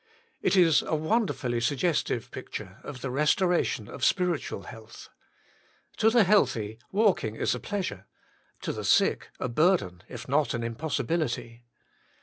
It is a wonderfully suggestive picture of the restoration of spiritual health. To the healthy, walking is a pleasure ; to the sick, a burden, if not an impossibility.